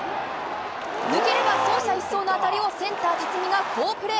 抜ければ走者一掃の当たりをセンター辰己が好プレー！